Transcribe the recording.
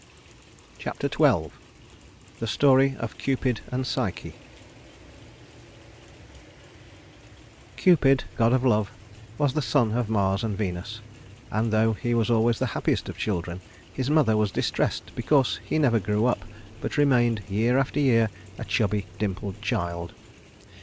Chapter XII The Story of Cupid and Psyche Cupid, god of love, was the son of Mars and Venus; and though he was always the happiest of children, his mother was distressed because he never grew up, but remained year after year a chubby, dimpled child.